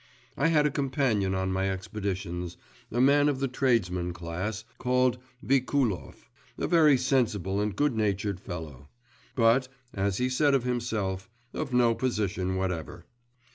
I had a companion on my expeditions, a man of the tradesman class, called Vikulov, a very sensible and good natured fellow; but, as he said of himself, of no position whatever.